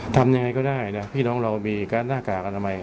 ทำยังไงก็ได้นะพี่น้องเรามีการหน้ากากอนามัย